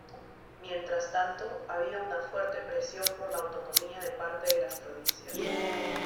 Mientras tanto, había una fuerte presión por la autonomía de parte de las provincias.